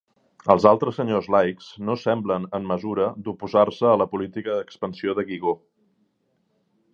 Els altres senyors laics no semblen en mesura d'oposar-se a la política d'expansió de Guigó.